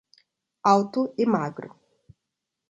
Alto e magro